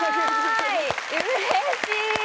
うれしい！